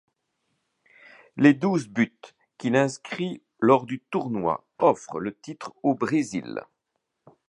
Les douze buts qu'il inscrit lors du tournoi offrent le titre au Brésil.